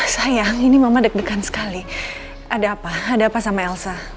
sayang ini mama deg degan sekali ada apa ada apa sama elsa